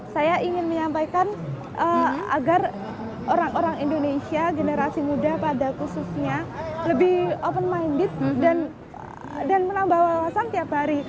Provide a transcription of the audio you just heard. saya ingin menyampaikan agar orang orang indonesia generasi muda pada khususnya lebih open minded dan menambah wawasan tiap hari